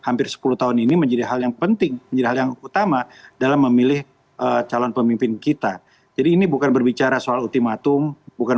menjadi hal yang utama dalam memilih calon pemimpin kita jadi ini bukan berbicara soal ultimatum bukan